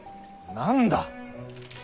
何だ。